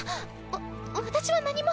わ私は何も。